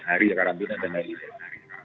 hari karantina dan hari itu